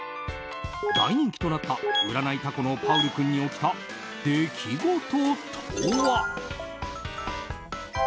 大人気となった占いタコのパウル君に起きた出来事とは。